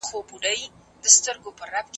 دفاع وزارت سوله ایزې خبرې نه ځنډوي.